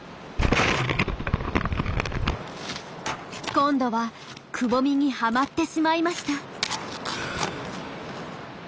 今度はくぼみにはまってしまいました。